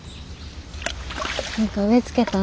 何か植え付けた